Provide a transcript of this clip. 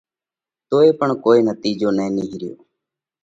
پڻ توئي ڪوئي نتِيجو نہ نِيهريو۔